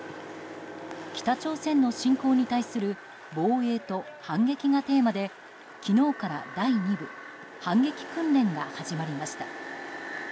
北朝鮮の侵攻に対する防衛と反撃がテーマで昨日から第２部反撃訓練が始まりました。